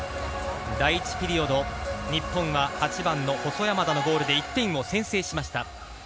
第１ピリオド、日本は８番の細山田のゴールで１点を先制しました。